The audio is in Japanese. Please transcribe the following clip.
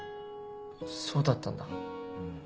そうだったんだ。